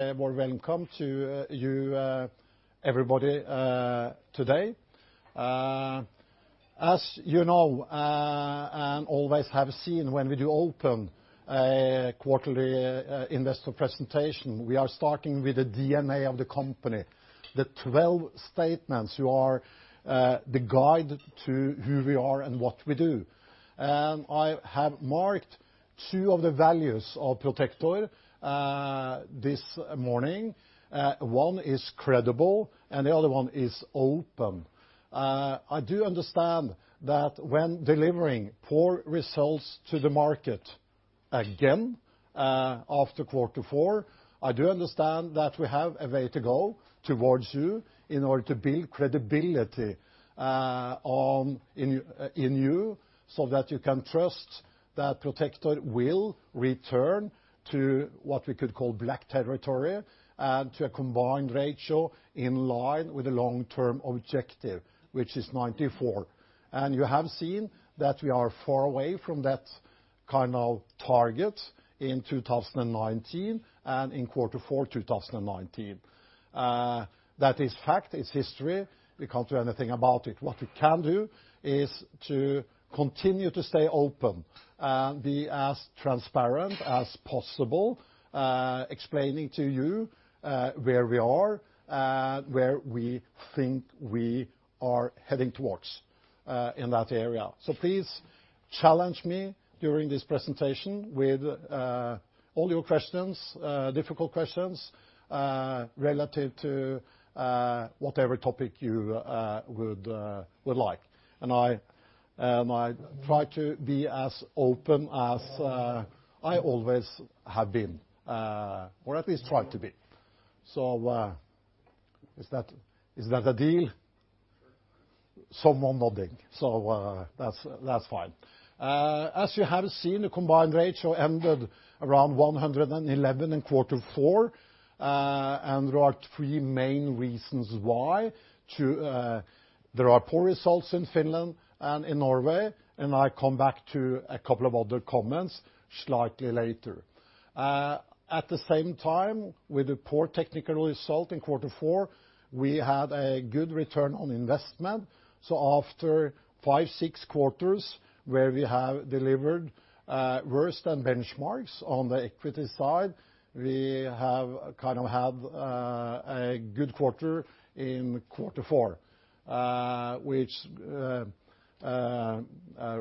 A warm welcome to you, everybody, today. As you know and always have seen when we do open a quarterly investor presentation, we are starting with the DNA of the company, the 12 statements who are the guide to who we are and what we do. I have marked two of the values of Protector this morning. One is credible and the other one is open. I do understand that when delivering poor results to the market again after quarter four, I do understand that we have a way to go towards you in order to build credibility in you so that you can trust that Protector will return to what we could call black territory and to a combined ratio in line with the long-term objective, which is 94. You have seen that we are far away from that kind of target in 2019 and in quarter four 2019. That is fact, it's history. We can't do anything about it. What we can do is to continue to stay open and be as transparent as possible explaining to you where we are and where we think we are heading towards in that area. Please challenge me during this presentation with all your questions, difficult questions, relative to whatever topic you would like. I try to be as open as I always have been or at least tried to be. Is that a deal? Someone nodding. That's fine. As you have seen, the combined ratio ended around 111 in quarter four. There are three main reasons why. There are poor results in Finland and in Norway. I come back to a couple of other comments slightly later. At the same time, with the poor technical result in quarter four, we had a good return on investment. After five, six quarters where we have delivered worse than benchmarks on the equity side, we have kind of had a good quarter in quarter four, which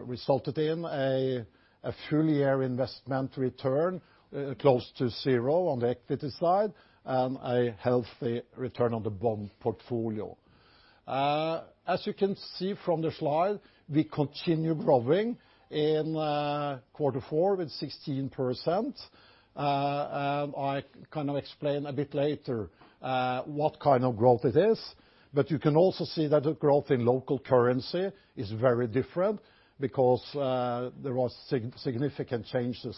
resulted in a full year investment return close to zero on the equity side and a healthy return on the bond portfolio. As you can see from the slide, we continue growing in quarter four with 16%. I explain a bit later what kind of growth it is, but you can also see that the growth in local currency is very different because there was significant changes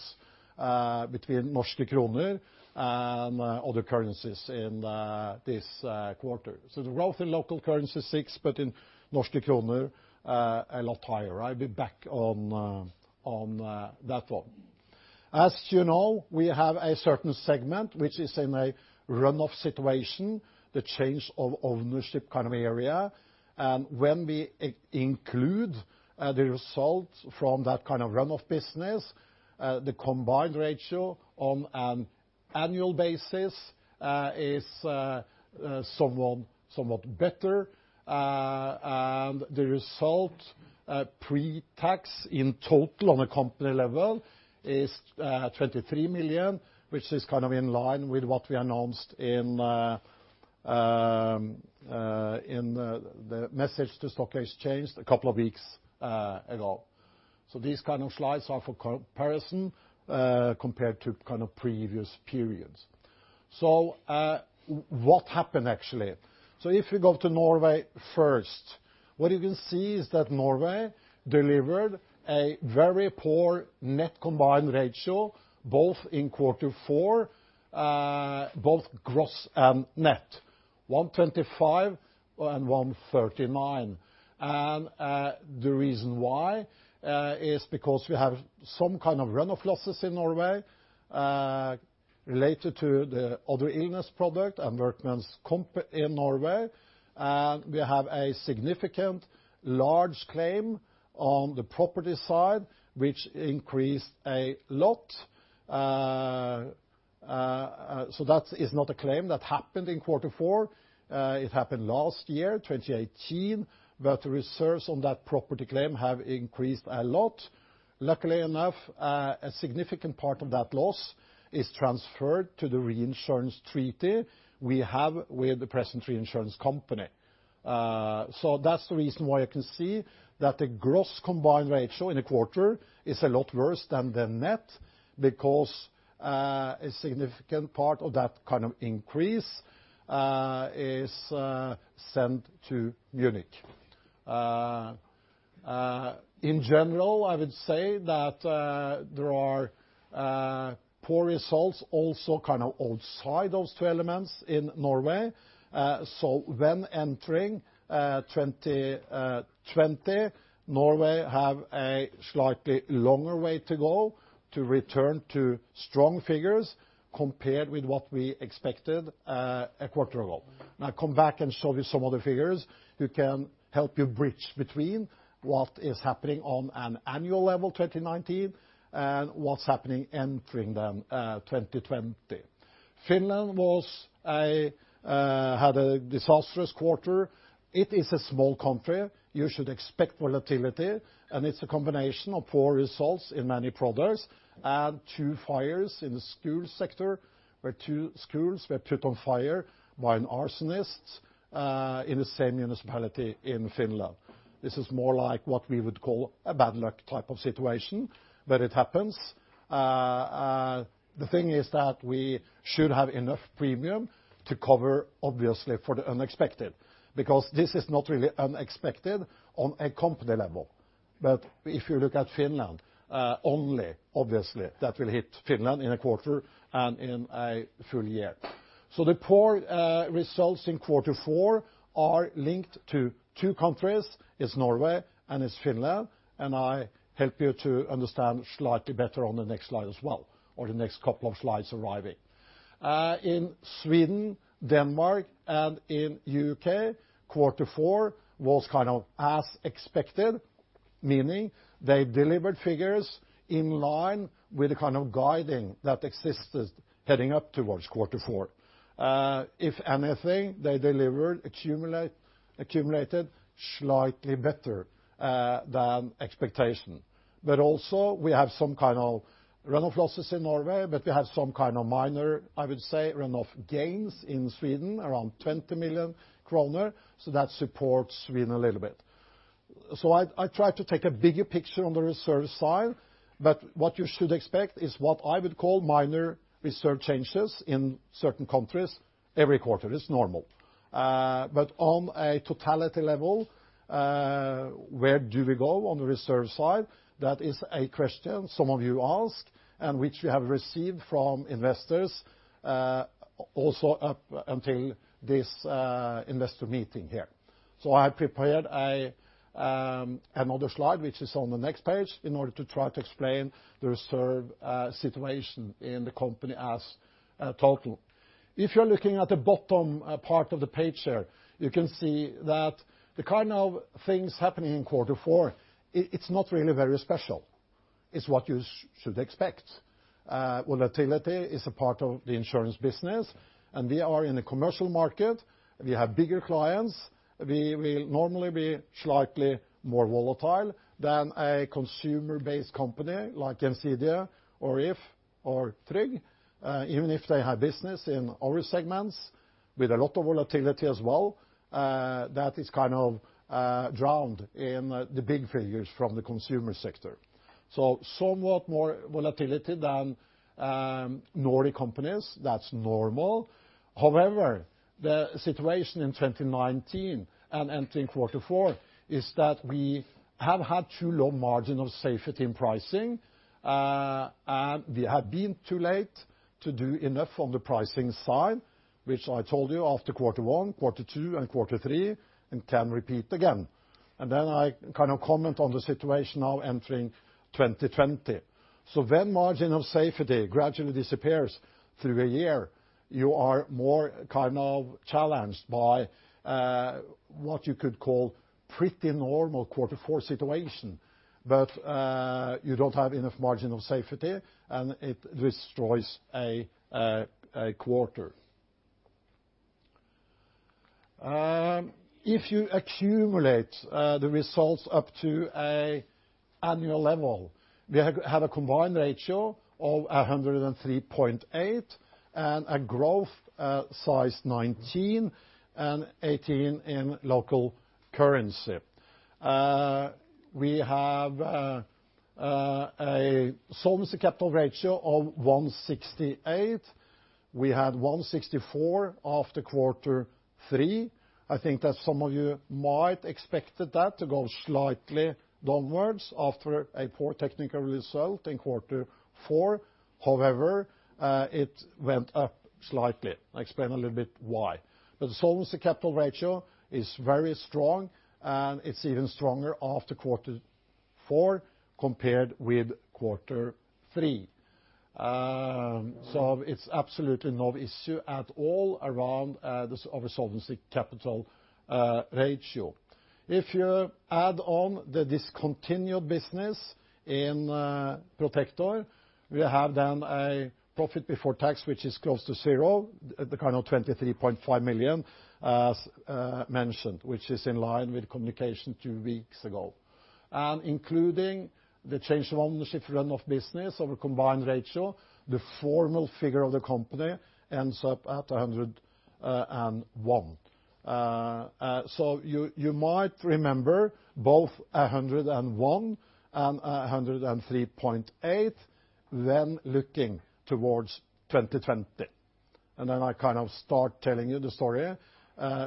between norske kroner and other currencies in this quarter. The growth in local currency is six, but in norske kroner, a lot higher. I'll be back on that one. As you know, we have a certain segment which is in a run-off situation, the change of ownership kind of area. When we include the result from that kind of run-off business, the combined ratio on an annual basis is somewhat better. The result, pre-tax in total on a company level is 23 million, which is in line with what we announced in the message to stock exchange a couple of weeks ago. These kind of slides are for comparison compared to previous periods. What happened actually? If you go to Norway first, what you can see is that Norway delivered a very poor net combined ratio, both in quarter four, both gross and net, 125% and 139%. The reason why is because we have some kind of run-off losses in Norway related to the occupational illness product and workers' compensation in Norway. We have a significant large claim on the property side which increased a lot. That is not a claim that happened in quarter four. It happened last year, 2018. The reserves on that property claim have increased a lot. Luckily enough, a significant part of that loss is transferred to the reinsurance treaty we have with the present reinsurance company. That's the reason why you can see that the gross combined ratio in a quarter is a lot worse than the net because a significant part of that kind of increase is sent to Munich Re. In general, I would say that there are poor results also outside those two elements in Norway. When entering 2020, Norway have a slightly longer way to go to return to strong figures compared with what we expected a quarter ago. I come back and show you some of the figures that can help you bridge between what is happening on an annual level 2019, and what's happening entering then 2020. Finland had a disastrous quarter. It is a small country. You should expect volatility, and it's a combination of poor results in many products and two fires in the school sector, where two schools were put on fire by an arsonist in the same municipality in Finland. This is more like what we would call a bad luck type of situation, but it happens. The thing is that we should have enough premium to cover, obviously, for the unexpected, because this is not really unexpected on a company level. If you look at Finland only, obviously, that will hit Finland in a quarter and in a full year. The poor results in quarter four are linked to two countries, it's Norway and it's Finland, and I help you to understand slightly better on the next slide as well, or the next couple of slides arriving. In Sweden, Denmark, and in U.K., quarter four was as expected, meaning they delivered figures in line with the kind of guiding that existed heading up towards quarter four. If anything, they delivered accumulated slightly better than expectation. Also, we have some kind of run-off losses in Norway, but we have some kind of minor, I would say, run-off gains in Sweden, around 20 million kroner. That supports Sweden a little bit. I try to take a bigger picture on the reserve side. What you should expect is what I would call minor reserve changes in certain countries every quarter. It's normal. On a totality level, where do we go on the reserve side? That is a question some of you asked, and which we have received from investors, also up until this investor meeting here. I prepared another slide, which is on the next page, in order to try to explain the reserve situation in the company as a total. If you're looking at the bottom part of the page here, you can see that the kind of things happening in quarter four, it's not really very special. It's what you should expect. Volatility is a part of the insurance business, and we are in a commercial market. We have bigger clients. We will normally be slightly more volatile than a consumer-based company like DNB or If or Tryg. Even if they have business in our segments with a lot of volatility as well, that is drowned in the big figures from the consumer sector. Somewhat more volatility than Nordic companies, that's normal. However, the situation in 2019 and entering quarter four is that we have had too low margin of safety in pricing, and we have been too late to do enough on the pricing side, which I told you after quarter one, quarter two, and quarter three, and can repeat again. Then I comment on the situation now entering 2020. When margin of safety gradually disappears through a year, you are more challenged by what you could call pretty normal quarter four situation. You don't have enough margin of safety, and it destroys a quarter. If you accumulate the results up to an annual level, we have had a combined ratio of 103.8% and a growth size 19% and 18% in local currency. We have a solvency capital ratio of 168%. We had 164% after quarter three. I think that some of you might expect that to go slightly downwards after a poor technical result in quarter four. However, it went up slightly. I explain a little bit why. The solvency capital ratio is very strong, and it's even stronger after quarter four compared with quarter three. It's absolutely no issue at all around our solvency capital ratio. If you add on the discontinued business in Protector, we have then a profit before tax, which is close to zero, the 23.5 million, as mentioned, which is in line with communication two weeks ago. Including the change of ownership run-off business of a combined ratio, the formal figure of the company ends up at 101%. You might remember both 101% and 103.8% when looking towards 2020. Then I start telling you the story,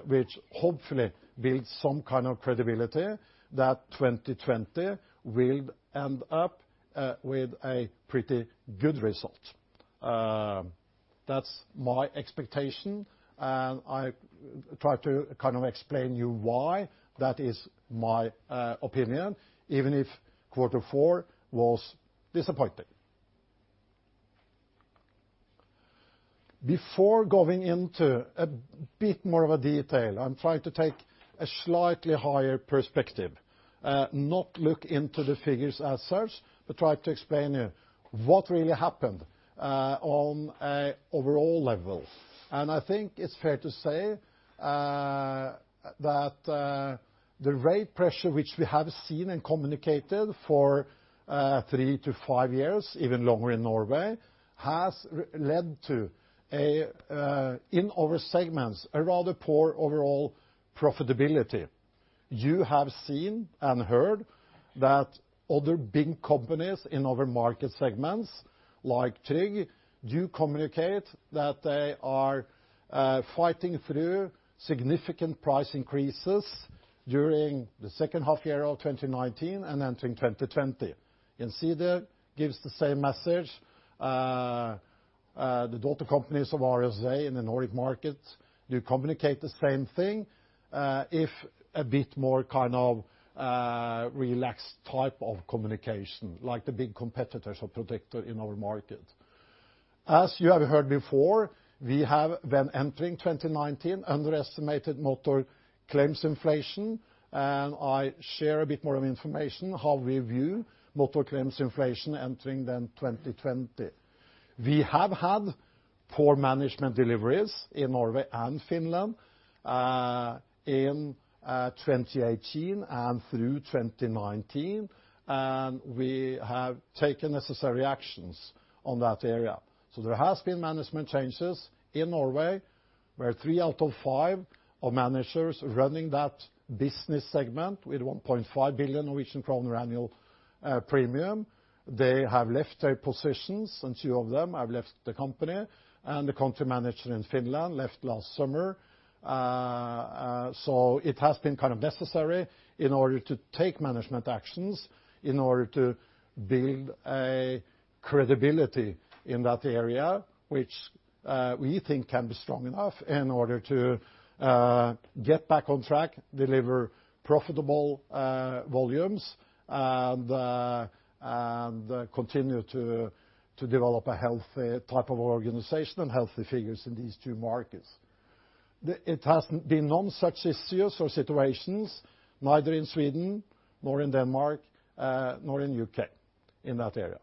which hopefully builds some kind of credibility that 2020 will end up with a pretty good result. That's my expectation, and I try to explain to you why that is my opinion, even if quarter four was disappointing. Before going into a bit more of a detail, I'm trying to take a slightly higher perspective. Not look into the figures as such, but try to explain what really happened on an overall level. I think it's fair to say that the rate pressure, which we have seen and communicated for three to five years, even longer in Norway, has led to, in our segments, a rather poor overall profitability. You have seen and heard that other big companies in other market segments, like Tryg, do communicate that they are fighting through significant price increases during the second half year of 2019 and entering 2020. [NCEDER] gives the same message. The daughter companies of RSA in the Nordic markets do communicate the same thing, if a bit more relaxed type of communication, like the big competitors of Protector in our market. As you have heard before, we have, when entering 2019, underestimated motor claims inflation, and I share a bit more information how we view motor claims inflation entering then 2020. We have had poor management deliveries in Norway and Finland in 2018 and through 2019, and we have taken necessary actions on that area. There has been management changes in Norway, where three out of five of managers running that business segment with 1.5 billion Norwegian kroner annual premium, they have left their positions, and two of them have left the company, and the country manager in Finland left last summer. It has been necessary in order to take management actions, in order to build a credibility in that area, which we think can be strong enough in order to get back on track, deliver profitable volumes, and continue to develop a healthy type of organization and healthy figures in these two markets. It has been no such issues or situations, neither in Sweden nor in Denmark, nor in U.K. in that area.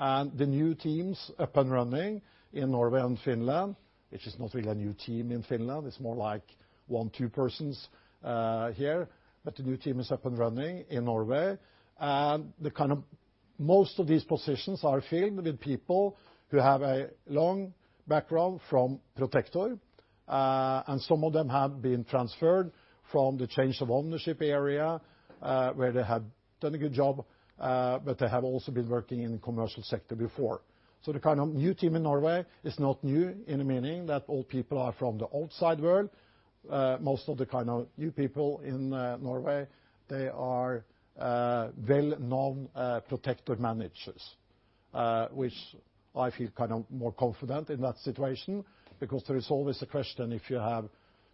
The new team's up and running in Norway and Finland. It is not really a new team in Finland, it's more like one, two persons here, but the new team is up and running in Norway. Most of these positions are filled with people who have a long background from Protector, and some of them have been transferred from the change of ownership area, where they have done a good job, but they have also been working in the commercial segment before. The new team in Norway is not new in the meaning that all people are from the outside world. Most of the new people in Norway, they are well-known Protector managers, which I feel more confident in that situation because there is always a question if you have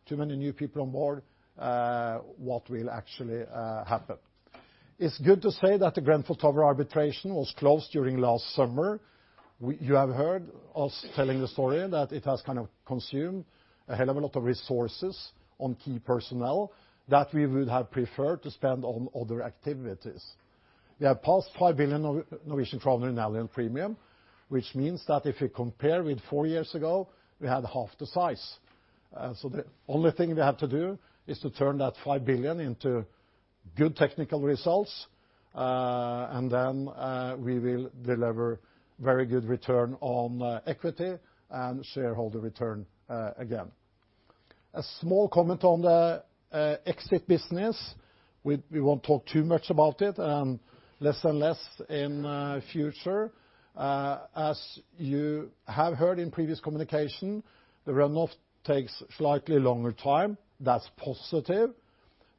too many new people on board, what will actually happen. It's good to say that the Grenfell Tower arbitration was closed during last summer. You have heard us telling the story that it has consumed a hell of a lot of resources on key personnel that we would have preferred to spend on other activities. We have passed 5 billion Norwegian kroner in annual premium, which means that if you compare with 4 years ago, we had half the size. The only thing we have to do is to turn that 5 billion into good technical results, and then we will deliver very good return on equity and shareholder return again. A small comment on the exit business. We won't talk too much about it, and less and less in future. As you have heard in previous communication, the run-off takes slightly longer time. That's positive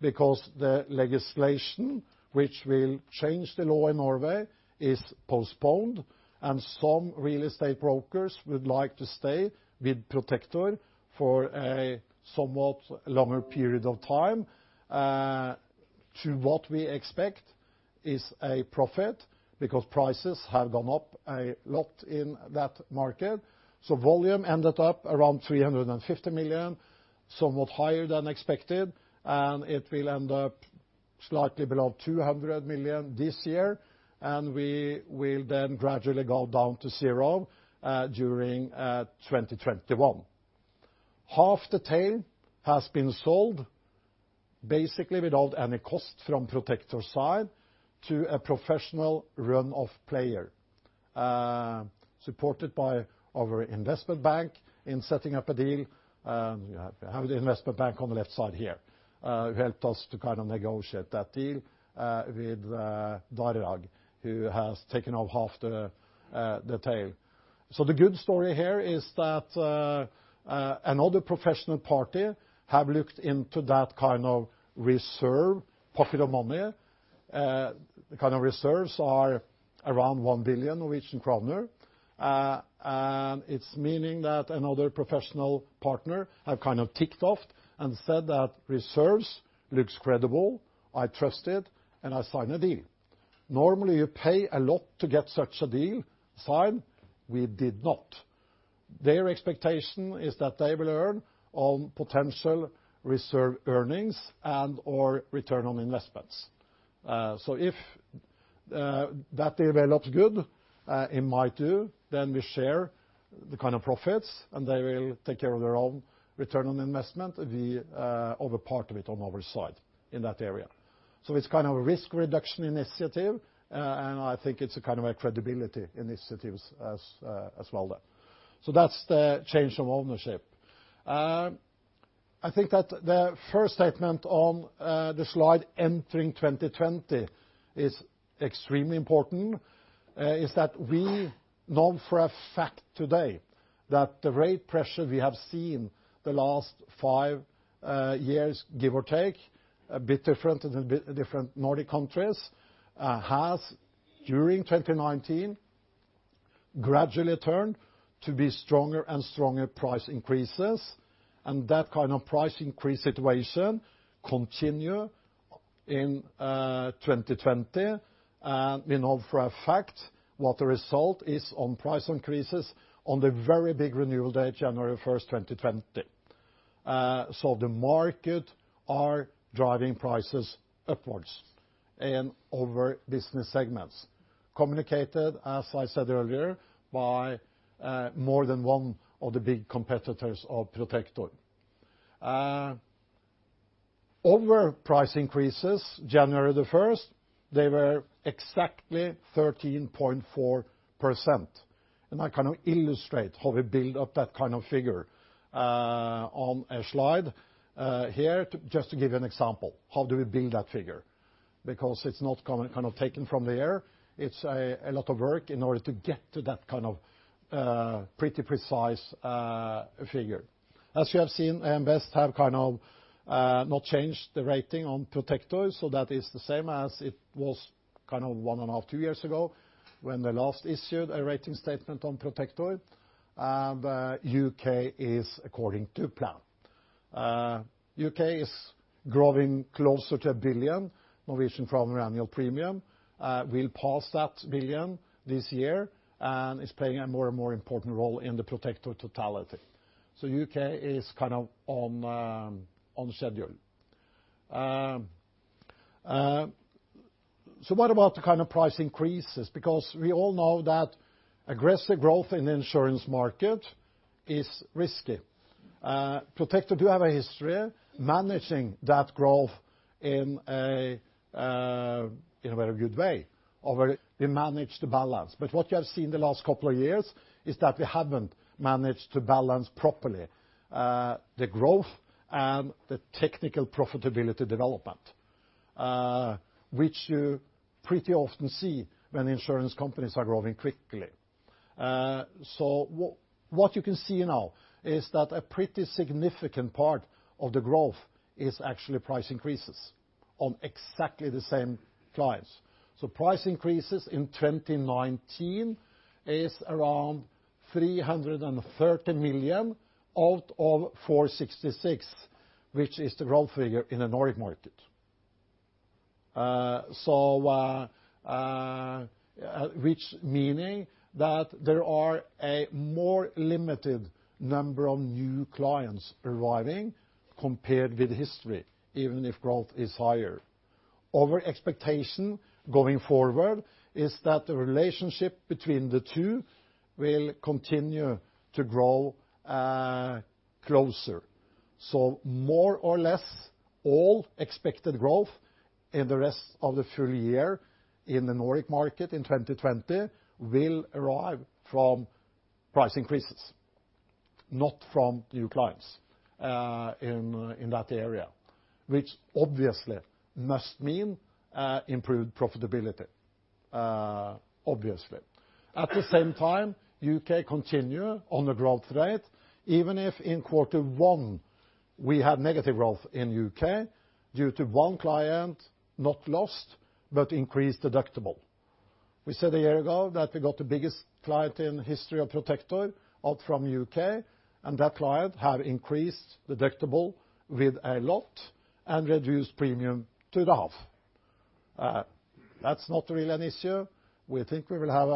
because the legislation which will change the law in Norway is postponed and some real estate brokers would like to stay with Protector for a somewhat longer period of time. To what we expect is a profit, because prices have gone up a lot in that market. Volume ended up around 350 million, somewhat higher than expected, and it will end up slightly below 200 million this year, and we will then gradually go down to zero during 2021. Half the tail has been sold, basically, without any cost from Protector side to a professional run-off player, supported by our investment bank in setting up a deal. We have the investment bank on the left side here, who helped us to negotiate that deal with Värde, who has taken off half the tail. The good story here is that another professional party have looked into that kind of reserve pocket of money. The kind of reserves are around 1 billion Norwegian kroner, and it's meaning that another professional partner have kind of ticked off and said that reserves looks credible, I trust it, and I sign a deal. Normally, you pay a lot to get such a deal signed. We did not. Their expectation is that they will earn on potential reserve earnings and/or return on investments. If that deal were not good in M2, then we share the kind of profits and they will take care of their own return on investment, or the part of it on our side in that area. It's a risk reduction initiative, and I think it's a kind of a credibility initiatives as well there. That's the change of ownership. I think that the first statement on the slide entering 2020 is extremely important, is that we know for a fact today that the rate pressure we have seen the last five years, give or take, a bit different in the different Nordic countries, has, during 2019, gradually turned to be stronger and stronger price increases. That kind of price increase situation continue in 2020. We know for a fact what the result is on price increases on the very big renewal date, January 1st, 2020. The market are driving prices upwards in our business segments. Communicated, as I said earlier, by more than one of the big competitors of Protector. Our price increases January 1st, they were exactly 13.4%. I illustrate how we build up that figure on a slide here, just to give you an example, how do we build that figure. It's not taken from the air. It's a lot of work in order to get to that kind of pretty precise figure. AM Best have not changed the rating on Protector, so that is the same as it was one and a half, two years ago, when they last issued a rating statement on Protector. The U.K. is according to plan. U.K. is growing closer to 1 billion annual premium. We'll pass that 1 billion this year, and it's playing a more and more important role in the Protector totality. U.K. is on schedule. What about the price increases? We all know that aggressive growth in the insurance market is risky. Protector do have a history of managing that growth in a very good way. We manage the balance. What you have seen the last couple of years is that we haven't managed to balance properly the growth and the technical profitability development, which you pretty often see when insurance companies are growing quickly. What you can see now is that a pretty significant part of the growth is actually price increases on exactly the same clients. Price increases in 2019 is around 330 million out of 466 million, which is the growth figure in the Nordic market. Which means that there are a more limited number of new clients arriving compared with history, even if growth is higher. Our expectation going forward is that the relationship between the two will continue to grow closer. More or less all expected growth in the rest of the full year in the Nordic market in 2020 will arrive from price increases, not from new clients in that area. Which obviously must mean improved profitability. Obviously. U.K. continue on the growth rate, even if in quarter one we had negative growth in U.K. due to one client, not lost, but increased deductible. We said a year ago that we got the biggest client in the history of Protector out from U.K., and that client have increased deductible with a lot and reduced premium to half. That's not really an issue. We think we will have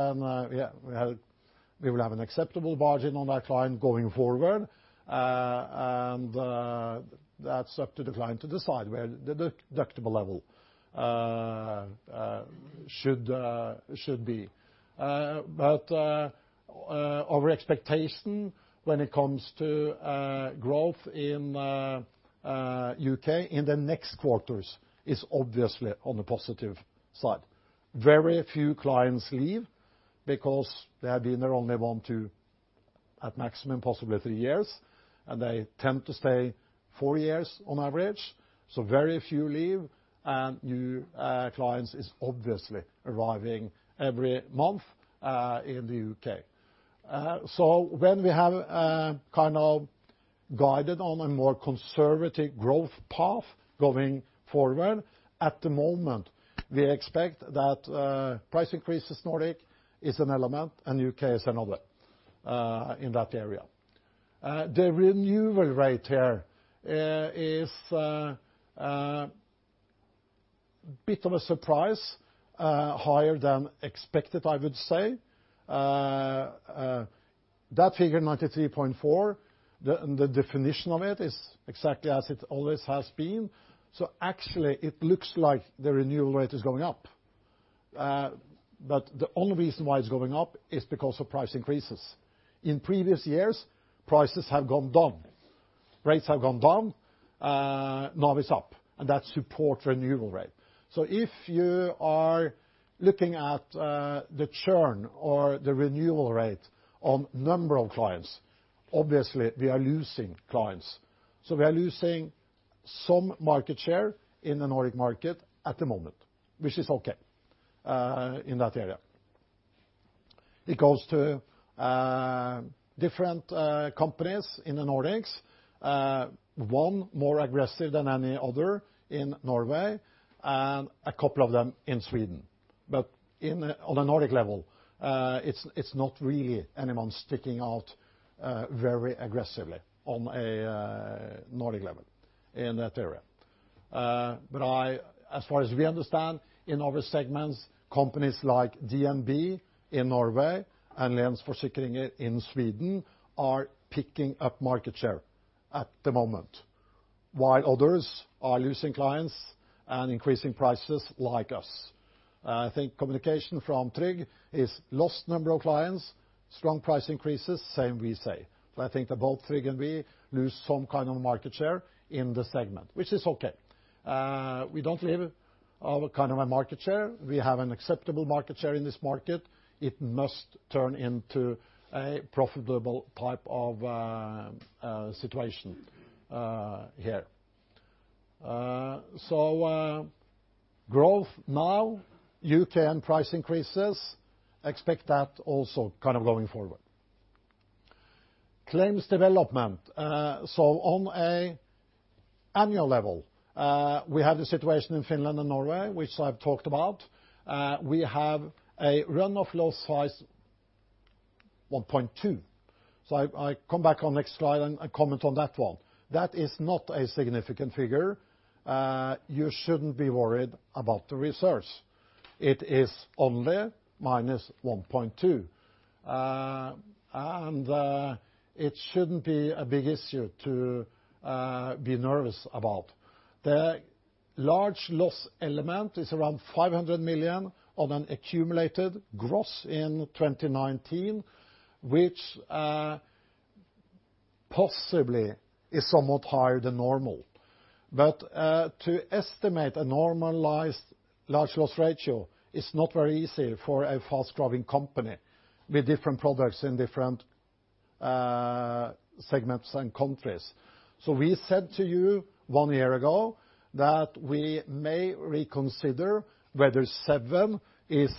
an acceptable margin on that client going forward. That's up to the client to decide where the deductible level should be. Our expectation when it comes to growth in U.K. in the next quarters is obviously on the positive side. Very few clients leave because they have been there only one to, at maximum, possibly three years, and they tend to stay four years on average. Very few leave, and new clients is obviously arriving every month in the U.K. When we have guided on a more conservative growth path going forward, at the moment, we expect that price increases Nordic is an element and U.K. is another in that area. The renewal rate here is a bit of a surprise. Higher than expected, I would say. That figure, 93.4%, the definition of it is exactly as it always has been. Actually, it looks like the renewal rate is going up. The only reason why it's going up is because of price increases. In previous years, prices have gone down. Rates have gone down. Now it's up, and that supports renewal rate. If you are looking at the churn or the renewal rate on number of clients, obviously, we are losing clients. We are losing some market share in the Nordic market at the moment, which is okay in that area. It goes to different companies in the Nordics. One more aggressive than any other in Norway, and a couple of them in Sweden. On a Nordic level, it's not really anyone sticking out very aggressively on a Nordic level in that area. As far as we understand, in our segments, companies like DNB in Norway and Länsförsäkringar in Sweden are picking up market share at the moment, while others are losing clients and increasing prices like us. I think communication from Tryg is lost number of clients, strong price increases. Same we say. I think that both Tryg and we lose some kind of market share in the segment, which is okay. We don't leave our market share. We have an acceptable market share in this market. It must turn into a profitable type of situation here. Growth now, U.K. and price increases, expect that also going forward. Claims development. On a annual level, we have the situation in Finland and Norway, which I've talked about. We have a run-off loss size 1.2%. I come back on next slide and comment on that one. That is not a significant figure. You shouldn't be worried about the reserves. It is only -1.2%. It shouldn't be a big issue to be nervous about. The large loss element is around 500 million on an accumulated gross in 2019, which possibly is somewhat higher than normal. To estimate a normalized large loss ratio is not very easy for a fast-growing company with different products in different segments and countries. We said to you one year ago that we may reconsider whether seven is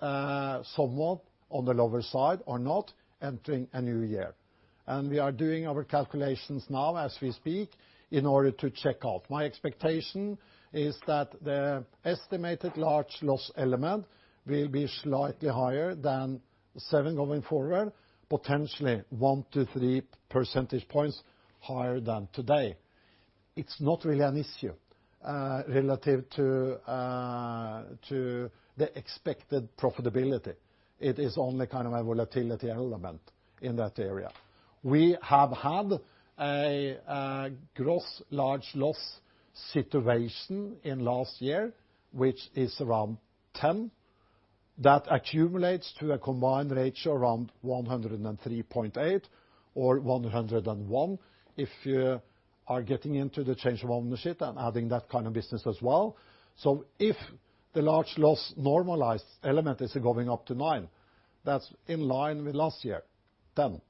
somewhat on the lower side or not entering a new year. We are doing our calculations now as we speak in order to check out. My expectation is that the estimated large loss element will be slightly higher than seven going forward, potentially one to three percentage points higher than today. It's not really an issue relative to the expected profitability. It is only a volatility element in that area. We have had a gross large loss situation in last year, which is around 10%, that accumulates to a combined ratio around 103.8% or 101% if you are getting into the change of ownership and adding that kind of business as well. If the large loss normalized element is going up to nine, that's in line with last year, 10%.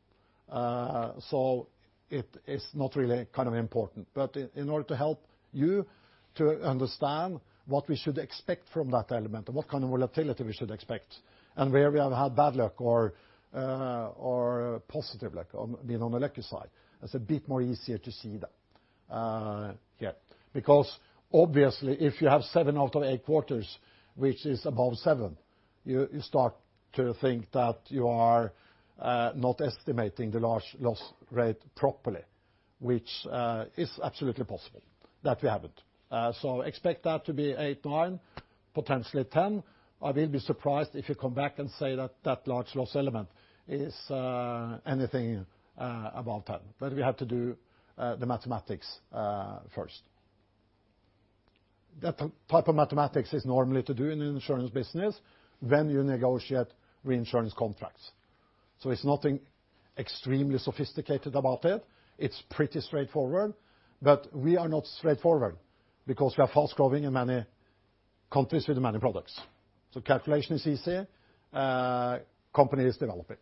It is not really important. In order to help you to understand what we should expect from that element and what kind of volatility we should expect and where we have had bad luck or positive luck on the non-electric side, it's a bit easier to see that here. Obviously, if you have seven out of eight quarters, which is above seven, you start to think that you are not estimating the large loss rate properly, which is absolutely possible that we haven't. Expect that to be 8%, 9%, potentially 10%. I will be surprised if you come back and say that that large loss element is anything above that. We have to do the mathematics first. That type of mathematics is normally to do in the insurance business when you negotiate reinsurance contracts. It's nothing extremely sophisticated about it. It's pretty straightforward, we are not straightforward because we are fast growing in many countries with many products. Calculation is easy, company is developing.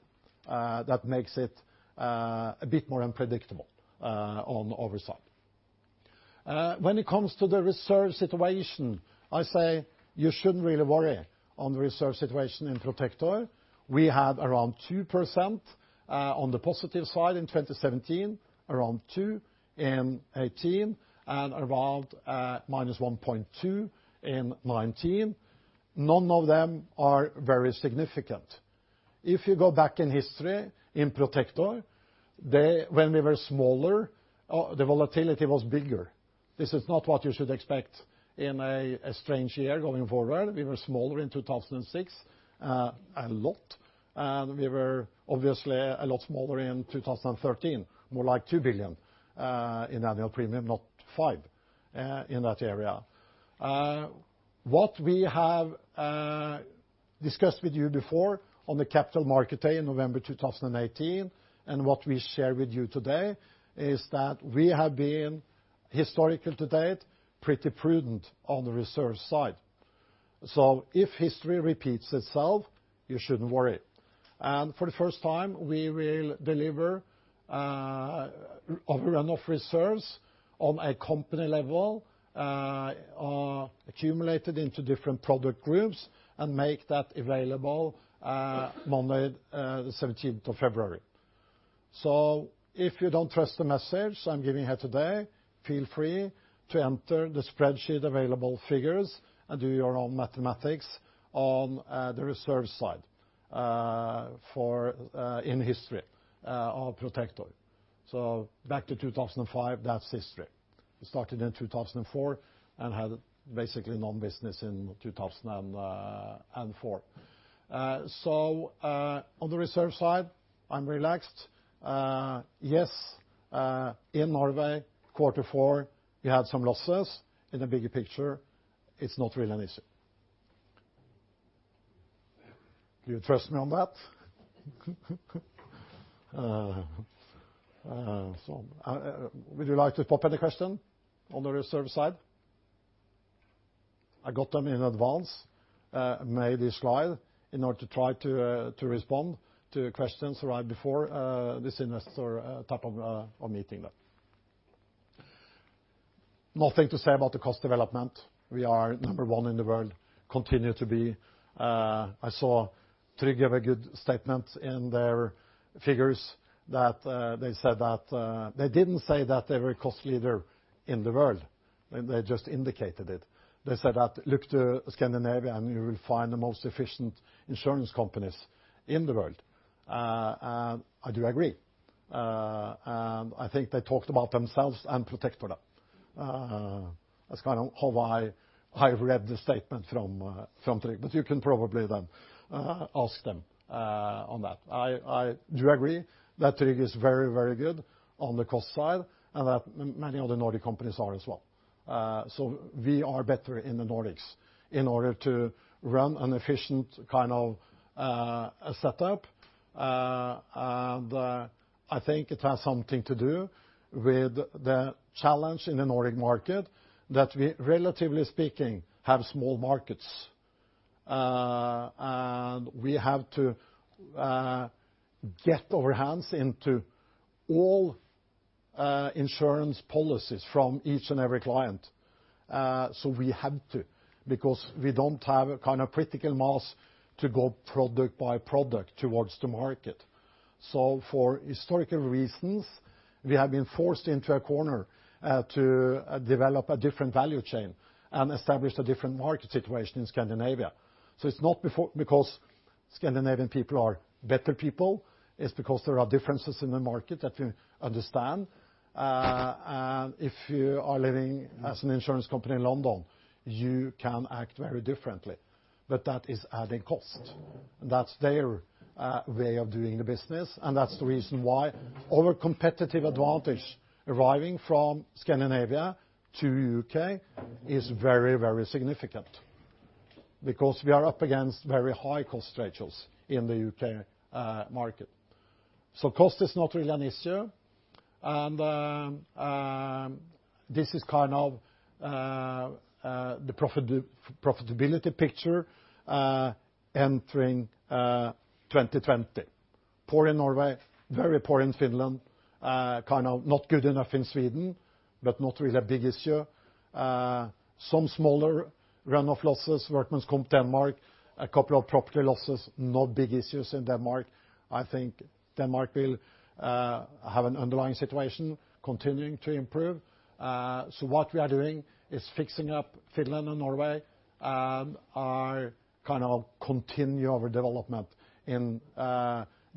That makes it a bit more unpredictable on oversight. When it comes to the reserve situation, I say you shouldn't really worry on the reserve situation in Protector. We have around 2% on the positive side in 2017, around 2% in 2018, and around minus 1.2% in 2019. None of them are very significant. If you go back in history in Protector, when we were smaller, the volatility was bigger. This is not what you should expect in a strange year going forward. We were smaller in 2006, a lot, and we were obviously a lot smaller in 2013, more like 2 billion in annual premium, not 5 billion, in that area. What we have discussed with you before on the capital market day in November 2018, and what we share with you today, is that we have been, historical to date, pretty prudent on the reserve side. If history repeats itself, you shouldn't worry. For the first time, we will deliver a run of reserves on a company level, accumulated into different product groups, and make that available Monday, the 17th of February. If you don't trust the message I'm giving here today, feel free to enter the spreadsheet available figures and do your own mathematics on the reserve side in history of Protector. Back to 2005, that's history. We started in 2004 and had basically no business in 2004. On the reserve side, I'm relaxed. Yes, in Norway, Q4, we had some losses. In the bigger picture, it's not really an issue. Do you trust me on that? Would you like to pop any question on the reserve side? I got them in advance, made this slide in order to try to respond to questions right before this investor type of meeting. Nothing to say about the cost development. We are number one in the world, continue to be. I saw Tryg give a good statement in their figures. They didn't say that they were cost leader in the world. They just indicated it. They said that, "Look to Scandinavia, and you will find the most efficient insurance companies in the world." I do agree. I think they talked about themselves and Protector. That's kind of how I read the statement from Tryg. You can probably then ask them on that. I do agree that Tryg is very good on the cost side. Many other Nordic companies are as well. We are better in the Nordics in order to run an efficient kind of setup. I think it has something to do with the challenge in the Nordic market that we, relatively speaking, have small markets. We have to get our hands into all insurance policies from each and every client. We have to because we don't have a kind of critical mass to go product by product towards the market. For historical reasons, we have been forced into a corner to develop a different value chain and establish a different market situation in Scandinavia. It's not because Scandinavian people are better people, it's because there are differences in the market that we understand. If you are living as an insurance company in London, you can act very differently, but that is adding cost. That's their way of doing the business, and that's the reason why our competitive advantage arriving from Scandinavia to U.K. is very significant. We are up against very high cost structures in the U.K. market. Cost is not really an issue. This is kind of the profitability picture entering 2020. Poor in Norway, very poor in Finland, kind of not good enough in Sweden, but not really a big issue. Some smaller run-off losses, workmen's comp, Denmark, a couple of property losses, not big issues in Denmark. I think Denmark will have an underlying situation continuing to improve. What we are doing is fixing up Finland and Norway and are continue our development in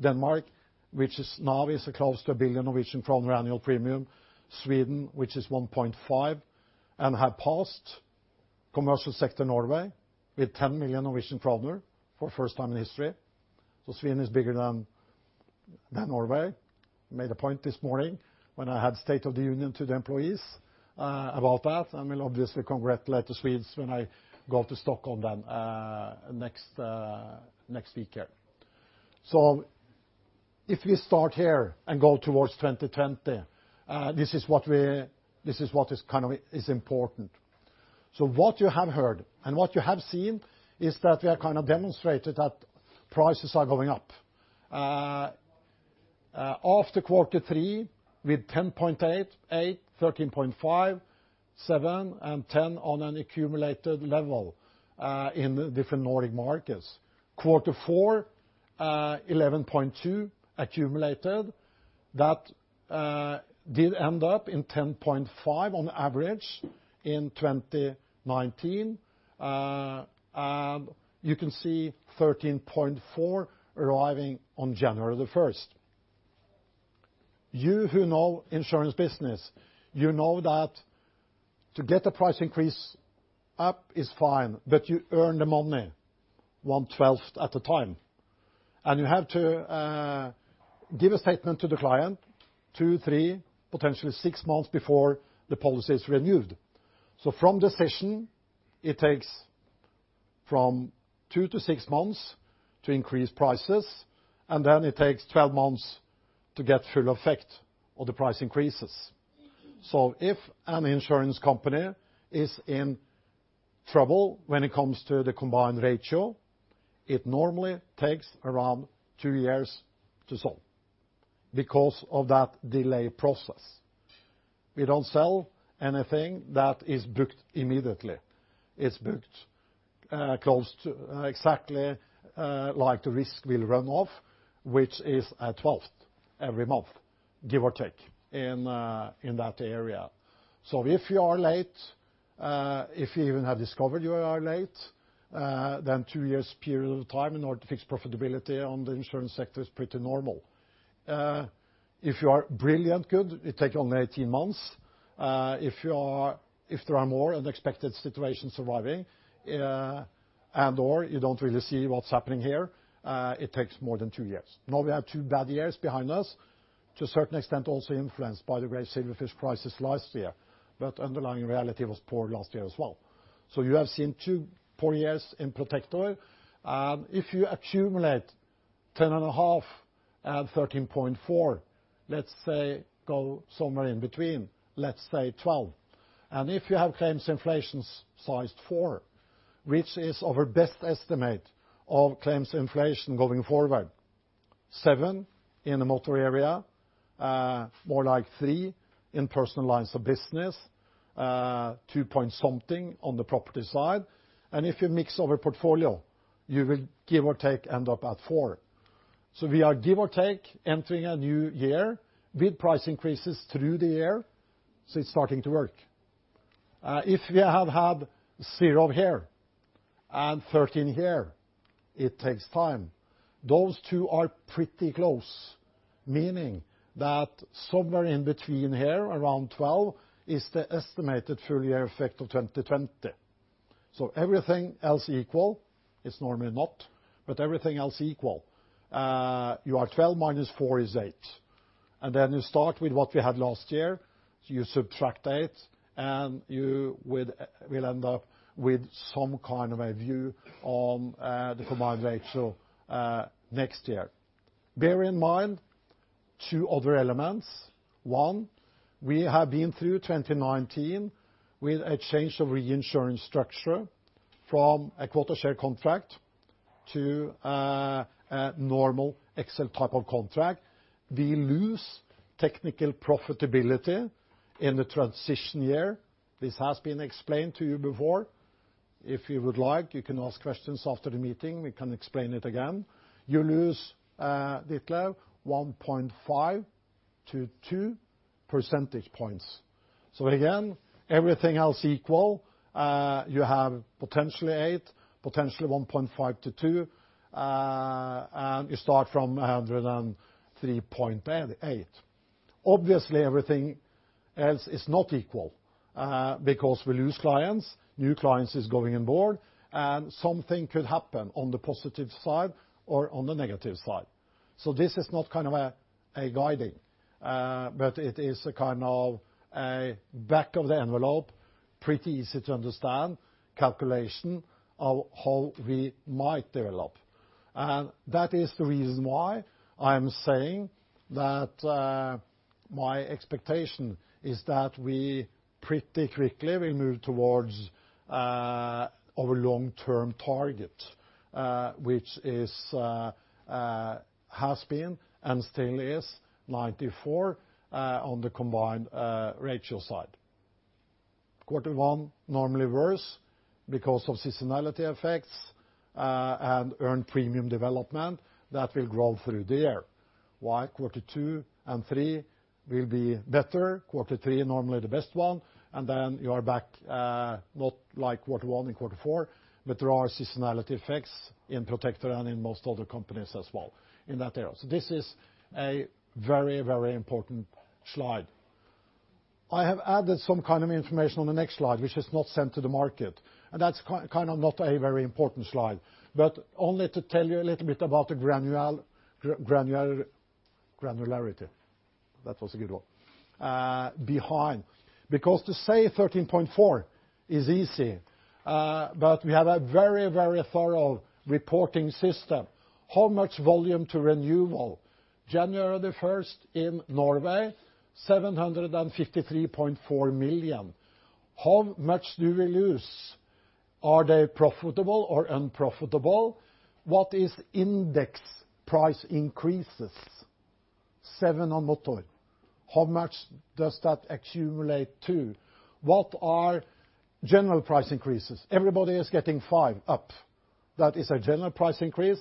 Denmark, which is now is close to 1 billion Norwegian kroner annual premium. Sweden, which is 1.5 billion, and have passed commercial segment Norway with 10 million Norwegian kroner for first time in history. Sweden is bigger than Norway made a point this morning when I had state of the union to the employees about that, and will obviously congratulate the Swedes when I go up to Stockholm then next week. If we start here and go towards 2020, this is what is important. What you have heard and what you have seen is that we have demonstrated that prices are going up. After quarter three with 10.8%, 13.5%, 7%, and 10% on an accumulated level in the different Nordic markets. Quarter four, 11.2% accumulated. That did end up in 10.5% on average in 2019. You can see 13.4% arriving on January 1st. You who know insurance business, you know that to get a price increase up is fine, but you earn the money one-twelfth at a time, and you have to give a statement to the client two, three, potentially six months before the policy is renewed. From decision, it takes from two to six months to increase prices, and then it takes 12 months to get full effect of the price increases. If an insurance company is in trouble when it comes to the combined ratio, it normally takes around two years to solve because of that delay process. We don't sell anything that is booked immediately. It's booked close to exactly like the risk will run off, which is a twelfth every month, give or take, in that area. If you are late, if you even have discovered you are late, then two years period of time in order to fix profitability on the insurance sector is pretty normal. If you are brilliant good, it take only 18 months. If there are more unexpected situations arriving, and/or you don't really see what's happening here, it takes more than two years. Now we have two bad years behind us, to a certain extent also influenced by the great Silverfish crisis last year, but underlying reality was poor last year as well. You have seen two poor years in Protector. If you accumulate 10.5% and 13.4%, let's say go somewhere in between, let's say 12%. If you have claims inflation sized four, which is our best estimate of claims inflation going forward, seven in the motor area, more like three in personal lines of business, two point something on the property side. If you mix our portfolio, you will give or take end up at four. We are give or take entering a new year with price increases through the year, so it's starting to work. If we have had zero here and 13 here, it takes time. Those two are pretty close, meaning that somewhere in between here around 12 is the estimated full year effect of 2020. Everything else equal, it's normally not. Everything else equal, you are 12 minus four is eight. Then you start with what we had last year. You subtract 8, you will end up with some kind of a view on the combined ratio next year. Bear in mind two other elements. One, we have been through 2019 with a change of reinsurance structure from a quota share contract to a normal excess of loss type of contract. We lose technical profitability in the transition year. This has been explained to you before. If you would like, you can ask questions after the meeting. We can explain it again. You lose, declare 1.5 to 2 percentage points. Again, everything else equal, you have potentially 8, potentially 1.5 to 2, you start from 103.8. Obviously, everything else is not equal, because we lose clients, new clients is going on board, and something could happen on the positive side or on the negative side. This is not a guiding, but it is a kind of a back of the envelope, pretty easy to understand calculation of how we might develop. That is the reason why I am saying that my expectation is that we pretty quickly will move towards our long-term target, which has been and still is 94% on the combined ratio side. Quarter one, normally worse because of seasonality effects and earned premium development that will grow through the year. Why? Quarter two and three will be better. Quarter three, normally the best one, and then you are back, not like quarter one and quarter four, but there are seasonality effects in Protector and in most other companies as well in that area. This is a very important slide. I have added some information on the next slide, which is not sent to the market. That's not a very important slide, but only to tell you a little bit about the granularity. That was a good one. Behind. To say 13.4% is easy, but we have a very thorough reporting system. How much volume to renewal? January 1st in Norway, 753.4 million. How much do we lose? Are they profitable or unprofitable? What is index price increases? Seven on motor. How much does that accumulate to? What are general price increases? Everybody is getting five up. That is a general price increase.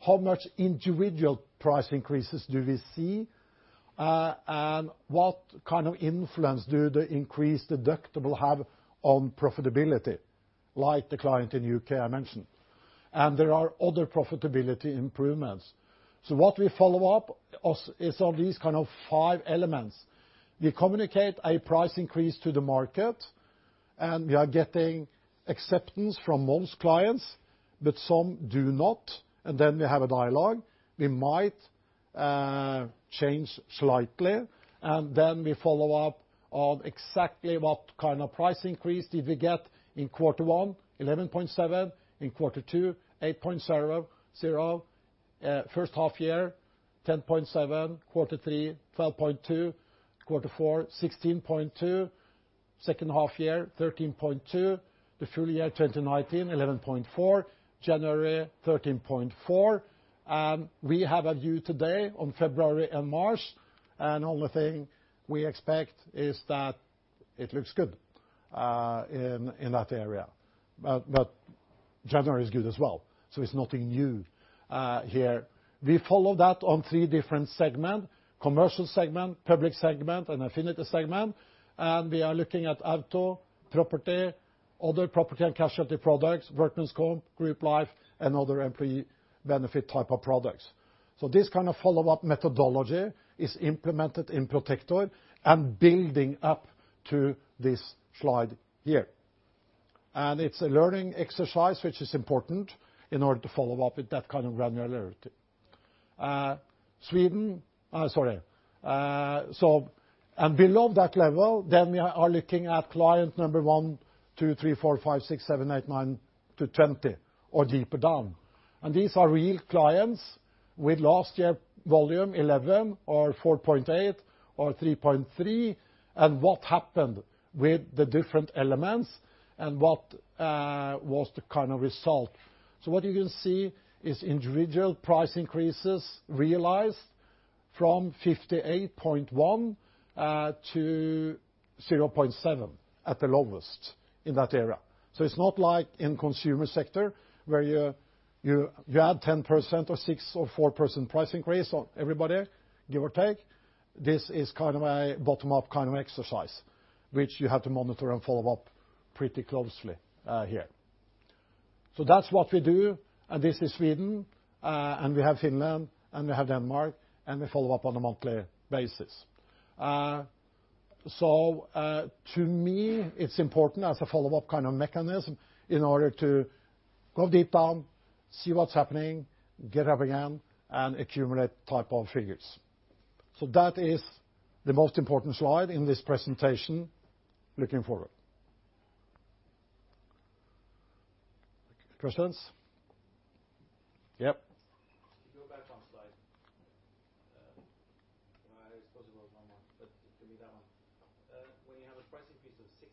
How much individual price increases do we see? What kind of influence do the increased deductible have on profitability, like the client in U.K. I mentioned. There are other profitability improvements. What we follow up is on these five elements. We communicate a price increase to the market, and we are getting acceptance from most clients, but some do not. Then we have a dialogue. We might change slightly, and then we follow up on exactly what kind of price increase did we get in quarter one, 11.7%, in quarter two, 8.00%, first half year, 10.7%, quarter three, 12.2%, quarter four, 16.2%, second half year, 13.2%, the full year 2019, 11.4%, January 13.4%. We have a view today on February and March, and only thing we expect is that it looks good in that area. January is good as well, so it's nothing new here. We follow that on three different segment: Commercial segment, Public segment, and Affinity segment. We are looking at auto, property, other property and casualty products, workers' compensation, group life, and other employee benefit type of products. This kind of follow-up methodology is implemented in Protector and building up to this slide here. It's a learning exercise, which is important in order to follow up with that kind of granularity. Sweden, sorry. Below that level, we are looking at client number one, two, three, four, five, six, seven, eight, nine to 20, or deeper down. These are real clients with last year volume 11 or 4.8 or 3.3, and what happened with the different elements and what was the kind of result. What you can see is individual price increases realized from 58.1% to 0.7% at the lowest in that area. It's not like in consumer sector where you add 10% or 6% or 4% price increase on everybody, give or take. This is a bottom-up kind of exercise, which you have to monitor and follow up pretty closely here. That's what we do, and this is Sweden, and we have Finland, and we have Denmark, and we follow up on a monthly basis. To me, it's important as a follow-up mechanism in order to go deep down, see what's happening, get up again, and accumulate type of figures. That is the most important slide in this presentation looking forward. Questions? Yep. Go back one slide. I suppose it was one more. It can be that one. When you have a price increase of 60%.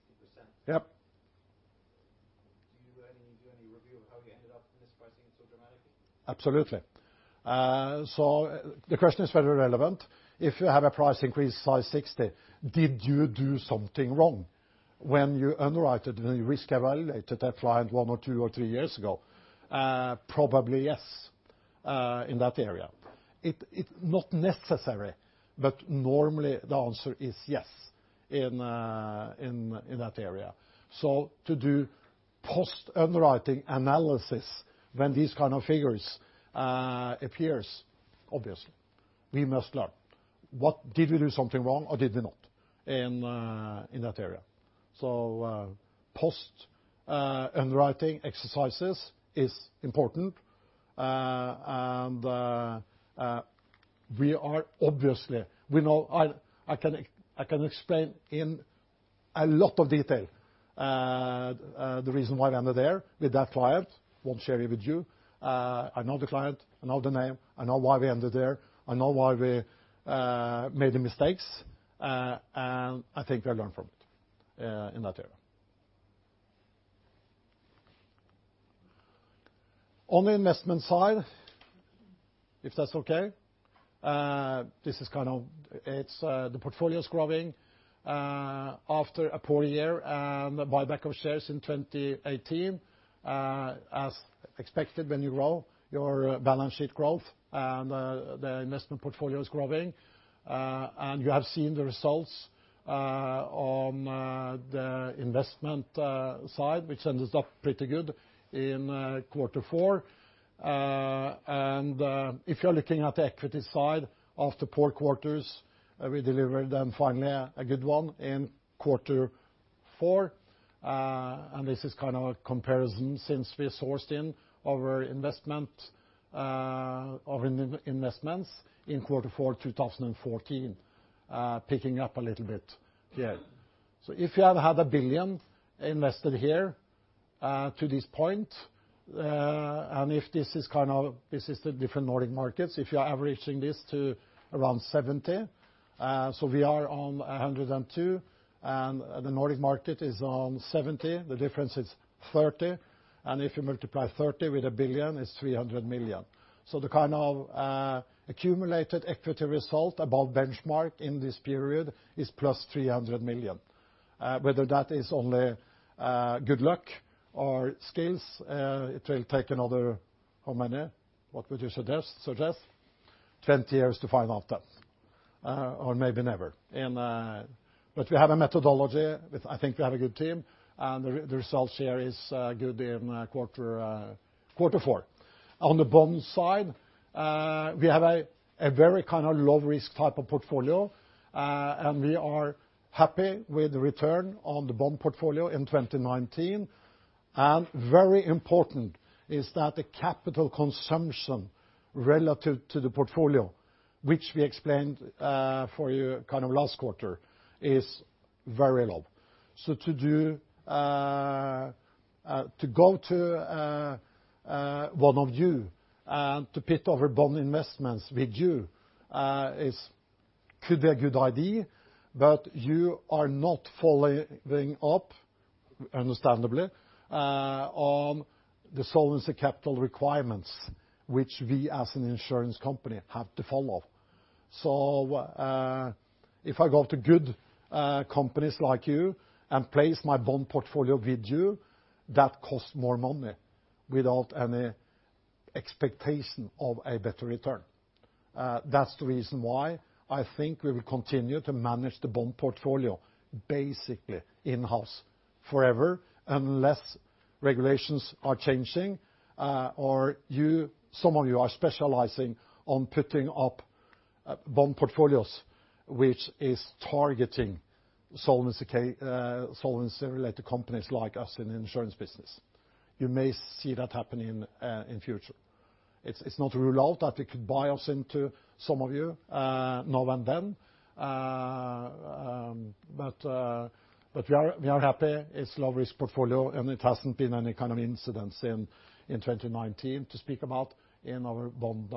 Yep Do you do any review of how you ended up in this pricing so dramatically? Absolutely. The question is very relevant. If you have a price increase size 60%, did you do something wrong when you underwrote it and you risk evaluated that client one or two or three years ago? Probably yes, in that area. It not necessary, but normally the answer is yes in that area. To do post-underwriting analysis when these kind of figures appears, obviously, we must learn. Did we do something wrong or did we not in that area? Post-underwriting exercises is important. We are obviously, we know I can explain in a lot of detail the reason why we ended there with that client. Won't share it with you. I know the client. I know the name. I know why we ended there. I know why we made the mistakes. I think we learn from it in that area. On the investment side, if that's okay, this is kind of The portfolio's growing. After a poor year and buyback of shares in 2018, as expected when you grow your balance sheet growth and the investment portfolio is growing. You have seen the results on the investment side, which ended up pretty good in quarter four. If you're looking at the equity side, after poor quarters, we delivered then finally a good one in quarter four, and this is a comparison since we sourced in our investments in quarter four 2014, picking up a little bit here. If you have had 1 billion invested here to this point, and if this is the different Nordic markets, if you are averaging this to around 70, so we are on 102 and the Nordic market is on 70. The difference is 30, and if you multiply 30 with 1 billion, it's 300 million. The kind of accumulated equity result above benchmark in this period is plus 300 million. Whether that is only good luck or skills, it will take another how many, what would you suggest? 20 years to find out that, or maybe never. We have a methodology with, I think we have a good team, and the results here is good in quarter four. On the bond side, we have a very low risk type of portfolio, and we are happy with the return on the bond portfolio in 2019. Very important is that the capital consumption relative to the portfolio, which we explained for you last quarter, is very low. To go to one of you and to put our bond investments with you could be a good idea, but you are not following up, understandably, on the solvency capital requirements, which we as an insurance company have to follow. If I go to good companies like you and place my bond portfolio with you, that costs more money without any expectation of a better return. That's the reason why I think we will continue to manage the bond portfolio basically in-house forever, unless regulations are changing, or some of you are specializing on putting up bond portfolios, which is targeting solvency related companies like us in the insurance business. You may see that happening in future. It's not ruled out that we could buy us into some of you now and then. We are happy. It's low risk portfolio. It hasn't been any kind of incidents in 2019 to speak about in our bond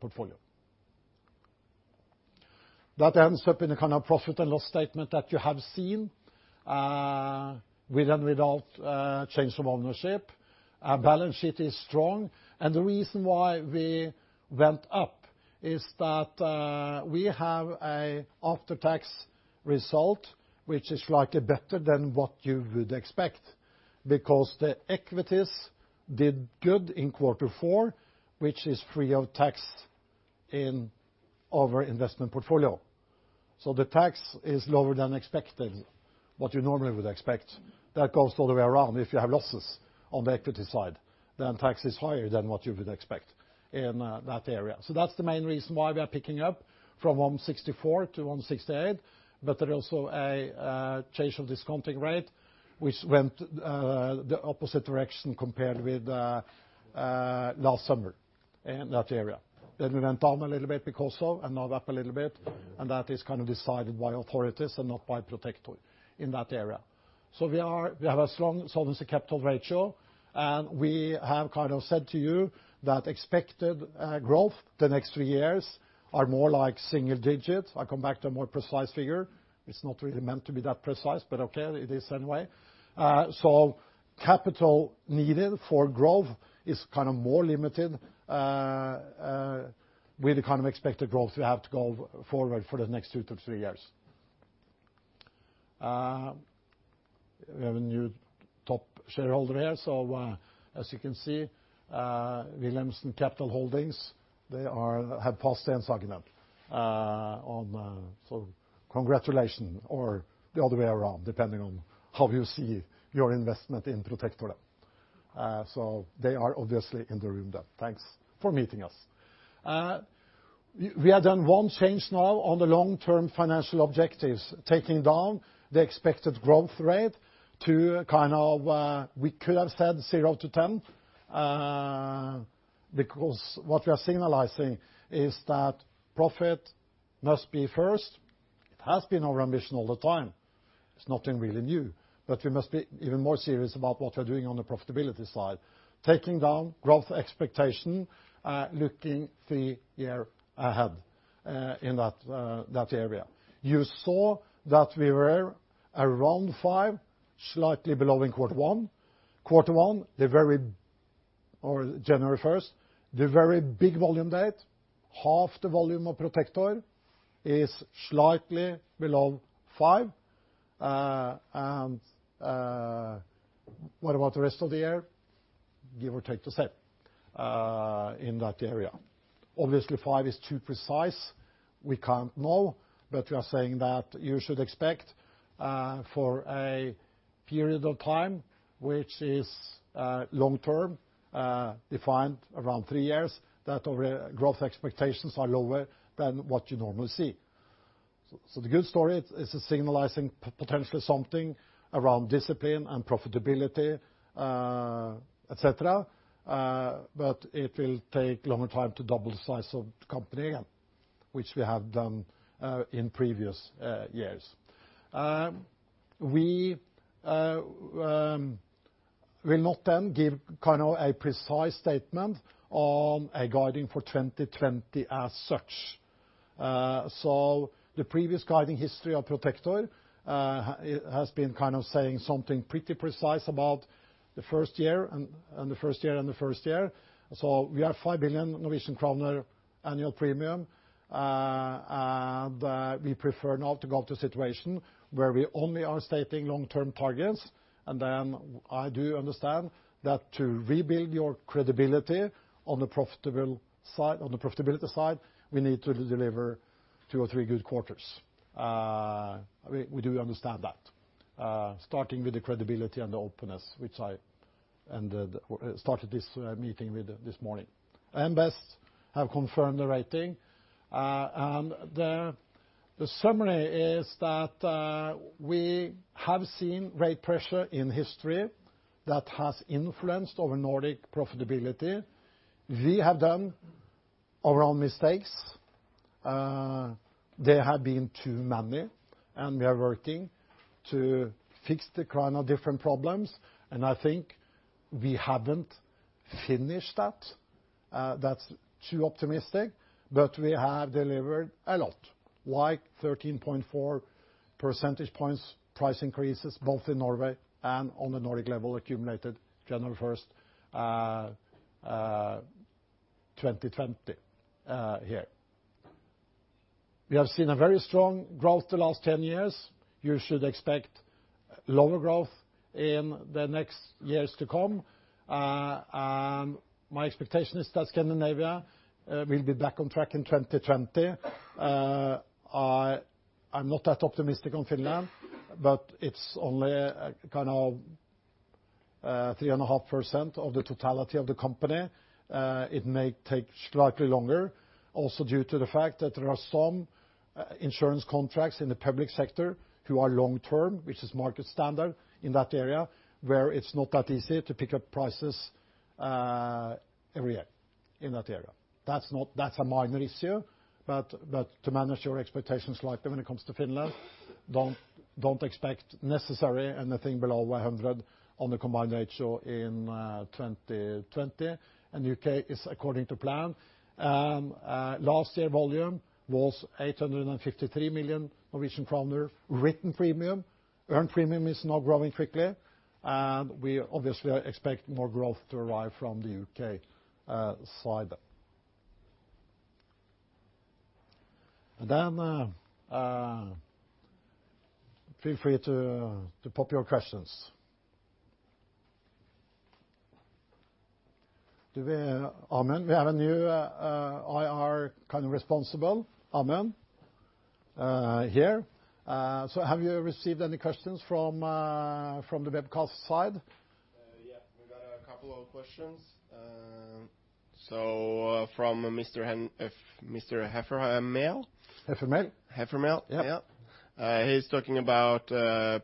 portfolio. That ends up in a kind of profit and loss statement that you have seen, with or without change of ownership. Our balance sheet is strong, and the reason why we went up is that we have an after-tax result which is likely better than what you would expect, because the equities did good in quarter four, which is free of tax in our investment portfolio. The tax is lower than expected, what you normally would expect. That goes all the way around. If you have losses on the equity side, then tax is higher than what you would expect in that area. That's the main reason why we are picking up from 164 to 168. There is also a change of discounting rate, which went the opposite direction compared with last summer in that area. We went down a little bit because of, and now up a little bit, and that is kind of decided by authorities and not by Protector in that area. We have a strong solvency capital ratio, and we have kind of said to you that expected growth the next three years are more like single digits. I come back to a more precise figure. It's not really meant to be that precise, but okay, it is anyway. Capital needed for growth is more limited, with the kind of expected growth we have to go forward for the next two to three years. We have a new top shareholder here. As you can see, Wilhelmsen Capital Holdings, they have passed the 10% threshold. Congratulations, or the other way around, depending on how you see your investment in Protector. They are obviously in the room there. Thanks for meeting us. We have done one change now on the long-term financial objectives, taking down the expected growth rate to kind of, we could have said 0%-10%. What we are signalizing is that profit must be first. It has been our ambition all the time. It's nothing really new, but we must be even more serious about what we are doing on the profitability side. Taking down growth expectation, looking three year ahead in that area. You saw that we were around 5%, slightly below in quarter one. Quarter one, or January first, the very big volume date, half the volume of Protector is slightly below 5%. What about the rest of the year? Give or take the same, in that area. Obviously, five is too precise. We can't know, but we are saying that you should expect for a period of time which is long term, defined around three years, that our growth expectations are lower than what you normally see. The good story is it's signalizing potentially something around discipline and profitability, et cetera. It will take longer time to double the size of the company again, which we have done in previous years. We will not then give a precise statement on a guiding for 2020 as such. The previous guiding history of Protector has been saying something pretty precise about the first year and the first year and the first year. We have 5 billion Norwegian kroner annual premium, and we prefer now to go to a situation where we only are stating long-term targets. I do understand that to rebuild your credibility on the profitability side, we need to deliver two or three good quarters. We do understand that, starting with the credibility and the openness, which I started this meeting with this morning. AM Best have confirmed the rating. The summary is that we have seen rate pressure in history that has influenced our Nordic profitability. We have done our own mistakes. They have been too many, and we are working to fix the different problems, and I think we haven't finished that. That's too optimistic. We have delivered a lot, like 13.4 percentage points price increases both in Norway and on the Nordic level accumulated January 1st, 2020 here. We have seen a very strong growth the last 10 years. You should expect lower growth in the next years to come. My expectation is that Scandinavia will be back on track in 2020. I'm not that optimistic on Finland, but it's only 3.5% of the totality of the company. It may take slightly longer, also due to the fact that there are some insurance contracts in the public sector who are long-term, which is market standard in that area, where it's not that easy to pick up prices every year in that area. That's a minor issue, but to manage your expectations slightly when it comes to Finland, don't expect necessary anything below 100 on the combined ratio in 2020. U.K. is according to plan. Last year volume was 853 million Norwegian kroner written premium. Earned premium is now growing quickly. We obviously expect more growth to arrive from the U.K. side. Then, feel free to pop your questions. Do we, Amund, we have a new IR responsible, Amund here. Have you received any questions from the webcast side? Yeah. We got a couple of questions from Mr. Heffermehl. Heffermehl. Heffermehl. Yeah. Yeah. He's talking about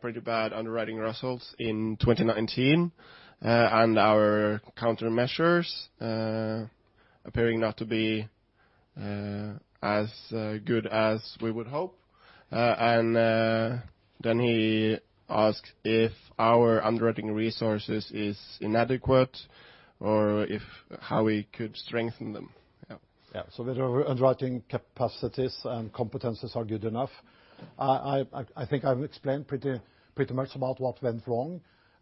pretty bad underwriting results in 2019, and our countermeasures appearing not to be as good as we would hope. Then he asked if our underwriting resources is inadequate, or how we could strengthen them. Yeah. Whether our underwriting capacities and competencies are good enough. I think I’ve explained pretty much about what went wrong,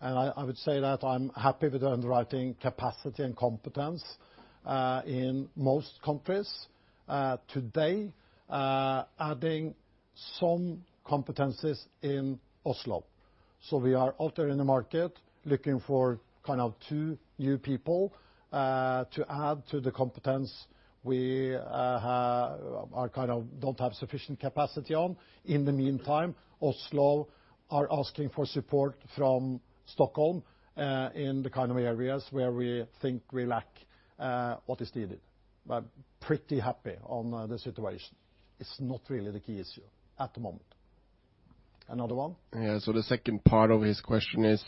and I would say that I’m happy with the underwriting capacity and competence, in most countries. Today, adding some competencies in Oslo. We are out there in the market looking for two new people to add to the competence we don’t have sufficient capacity on. In the meantime, Oslo are asking for support from Stockholm, in the kind of areas where we think we lack what is needed, but pretty happy on the situation. It’s not really the key issue at the moment. Another one? Yeah, the second part of his question is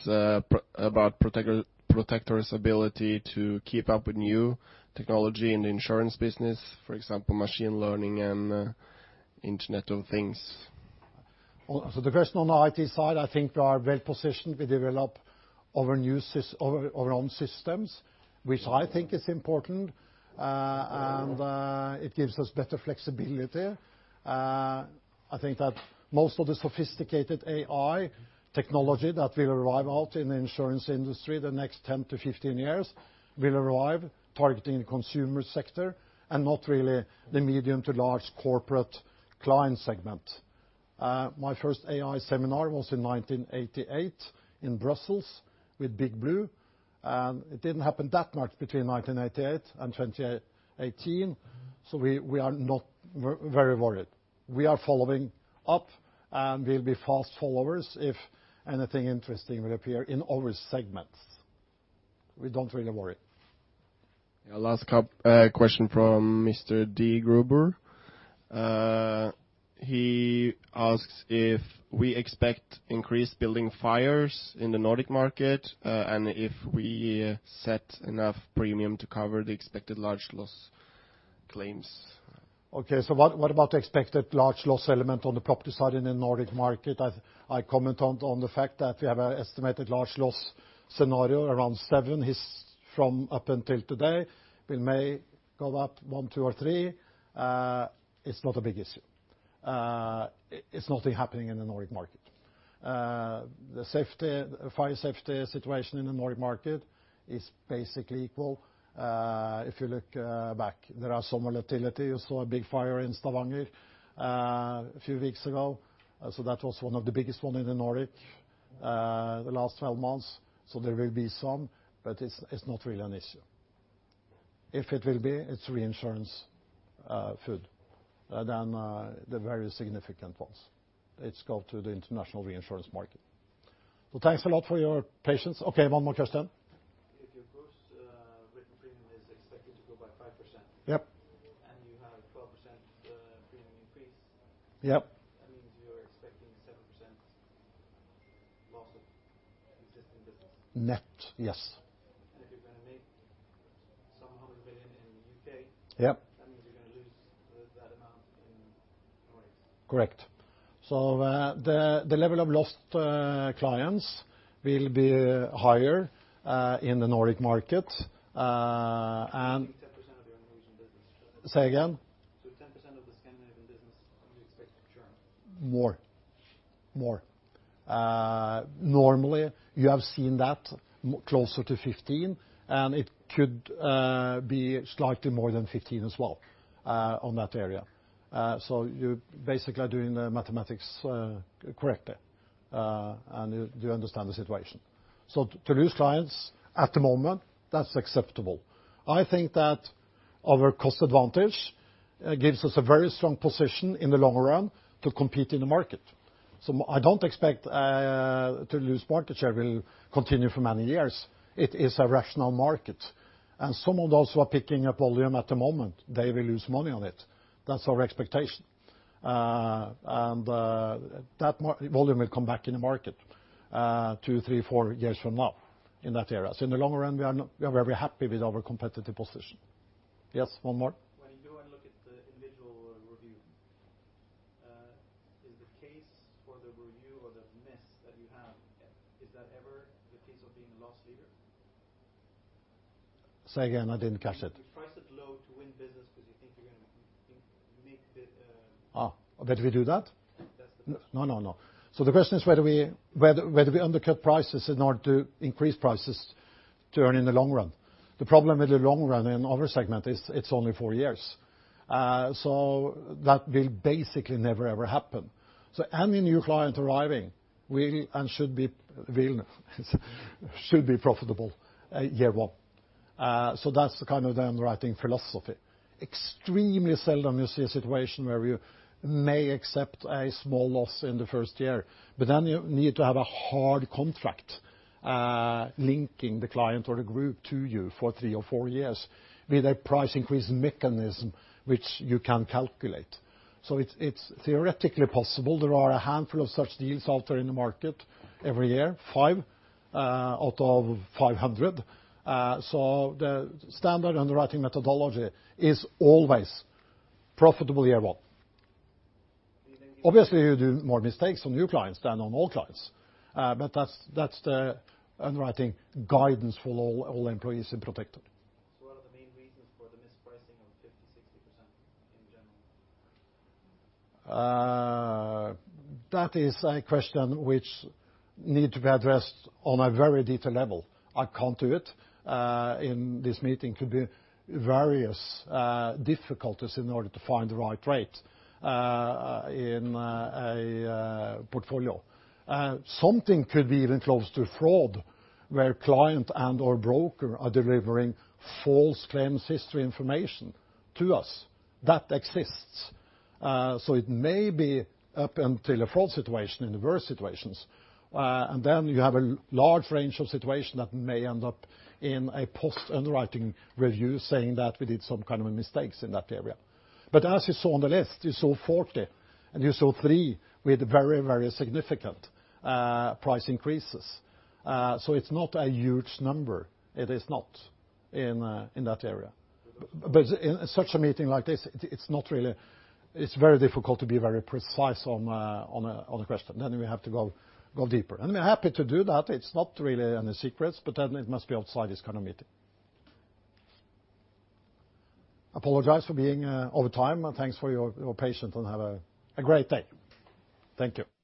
about Protector's ability to keep up with new technology in the insurance business, for example, machine learning and internet of things. The question on the IT side, I think we are well positioned. We develop our own systems, which I think is important. It gives us better flexibility. I think that most of the sophisticated AI technology that will arrive out in the insurance industry the next 10-15 years, will arrive targeting the consumer sector and not really the medium to large corporate client segment. My first AI seminar was in 1988 in Brussels with Big Blue. It didn't happen that much between 1988 and 2018, so we are not very worried. We are following up, and we'll be fast followers if anything interesting will appear in our segments. We don't really worry. Yeah. Last question from Mr. Dee Gruber. He asks if we expect increased building fires in the Nordic market, and if we set enough premium to cover the expected large loss claims. Okay. What about the expected large loss element on the property side in the Nordic market? I comment on the fact that we have an estimated large loss scenario around seven. From up until today, we may go up one, two, or three. It's not a big issue. It's nothing happening in the Nordic market. The fire safety situation in the Nordic market is basically equal. If you look back, there are some volatility. You saw a big fire in Stavanger a few weeks ago. That was one of the biggest one in the Nordic the last 12 months. There will be some, but it's not really an issue. If it will be, it's reinsurance food. Then the very significant ones. It's got to the international reinsurance market. Thanks a lot for your patience. Okay, one more question. If your gross written premium is expected to go by 5%. Yep You have 12% premium increase. Yep. That means you're expecting 7% loss of existing business. Net, yes. If you're going to make some 100 million in the U.K. Yep that means you're going to lose that amount in the Nordics. Correct. The level of lost clients will be higher in the Nordic market. 10% of your Norwegian business. Say again? 10% of the Scandinavian business you expect to churn. More. Normally, you have seen that closer to 15%, and it could be slightly more than 15% as well on that area. You basically are doing the mathematics correctly, and you understand the situation. To lose clients at the moment, that's acceptable. I think that our cost advantage gives us a very strong position in the long run to compete in the market. I don't expect to lose market share will continue for many years. It is a rational market. Some of those who are picking up volume at the moment, they will lose money on it. That's our expectation. That volume will come back in the market two, three, four years from now, in that area. In the long run, we are very happy with our competitive position. Yes. One more. When you go and look at the individual review, is the case for the review or the miss that you have, is that ever the case of being a loss leader? Say again, I didn't catch it. You price it low to win business because you think you're going to make. Oh. That we do that? That's the question. No. The question is whether we undercut prices in order to increase prices to earn in the long run. The problem with the long run in our segment is it's only four years. That will basically never, ever happen. Any new client arriving will and should be profitable year one. That's the kind of underwriting philosophy. Extremely seldom you see a situation where you may accept a small loss in the first year, but then you need to have a hard contract linking the client or the group to you for three or four years with a price increase mechanism which you can calculate. It's theoretically possible. There are a handful of such deals out there in the market every year, five out of 500. The standard underwriting methodology is always profitable year one. Do you think- Obviously, you do more mistakes on new clients than on old clients. That's the underwriting guidance for all employees in Protector. What are the main reasons for the mispricing of 50%, 60% in general? That is a question which needs to be addressed on a very detailed level. I cannot do it in this meeting. Could be various difficulties in order to find the right rate in a portfolio. Something could be even close to fraud, where client and/or broker are delivering false claims history information to us. That exists. It may be up until a fraud situation in the worst situations. Then you have a large range of situations that may end up in a post-underwriting review saying that we did some kind of mistakes in that area. As you saw on the list, you saw 40%, and you saw three with very significant price increases. It is not a huge number. It is not in that area. In such a meeting like this, it is very difficult to be very precise on the question. We have to go deeper. I'm happy to do that. It's not really any secrets, it must be outside this kind of meeting. I apologize for being over time. Thanks for your patience, have a great day. Thank you